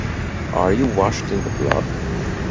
Are You Washed in the Blood?